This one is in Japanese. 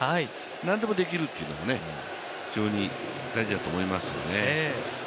何でもできるっていうのも非常に大事だと思いますよね。